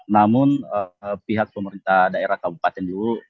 namun pihak pemerintah daerah kabupaten dulu